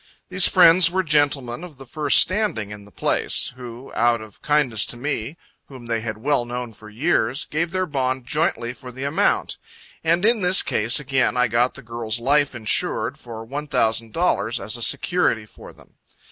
These friends were gentlemen of the first standing in the place, who, out of kindness to me, whom they had well known for years, gave their bond jointly for the amount, and in this case again I got the girl's life insured for one thousand dollars as a security for them.